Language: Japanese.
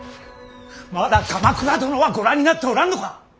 まだ鎌倉殿は御覧になっておらんのか！